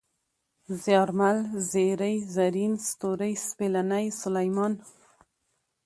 زيارمل ، زېرى ، زرين ، ستوری ، سپېلنی ، سلېمان